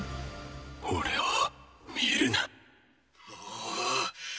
俺を見るな。